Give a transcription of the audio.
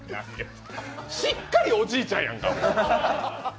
しっかりおじいちゃんやんか。